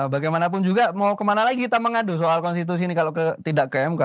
bagaimanapun juga mau kemana lagi kita mengadu soal konstitusi ini kalau tidak ke mk